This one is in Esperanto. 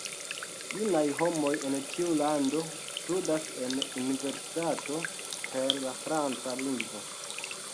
Junaj homoj en tiu lando studas en universitato per la franca lingvo.